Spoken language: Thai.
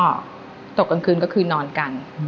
ก็ตกกลางคืนก็คือนอนกัน